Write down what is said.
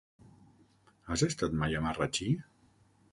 Has estat mai a Marratxí?